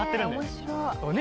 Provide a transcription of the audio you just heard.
面白い。